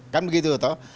kan begitu tuh